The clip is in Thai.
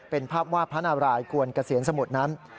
เป็นภาพวาดพระนารายกวนเกษียณสมุทรนั้น